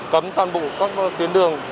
cấm toàn bộ các tuyến đường